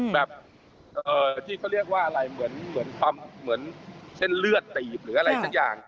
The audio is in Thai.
แบบเอ่อที่เขาเรียกว่าอะไรเหมือนเหมือนความเหมือนเส้นเลือดตีบหรืออะไรสักอย่าง